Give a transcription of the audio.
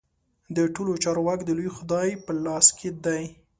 د ټولو چارو واک د لوی خدای په لاس کې دی.